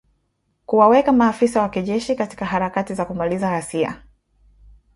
kuwaweka maafisa wa kijeshi katika harakati za kumaliza ghasia